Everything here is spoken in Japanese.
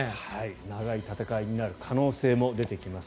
長い戦いになる可能性も出てきます。